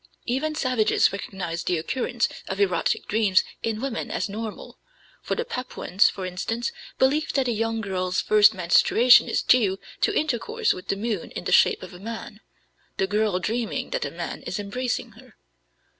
Even savages recognize the occurrence of erotic dreams in women as normal, for the Papuans, for instance, believe that a young girl's first menstruation is due to intercourse with the moon in the shape of a man, the girl dreaming that a man is embracing her.